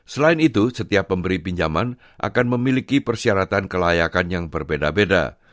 selain itu setiap pemberi pinjaman akan memiliki persyaratan kelayakan yang berbeda beda